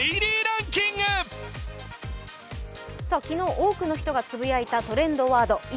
昨日多くの人がつぶやいたトレンドワード。